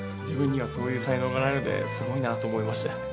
自分にはそういう才能がないのですごいなと思いまして。